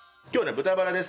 豚バラです。